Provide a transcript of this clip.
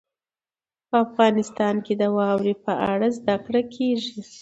په افغانستان کې د واورې په اړه زده کړه کېږي.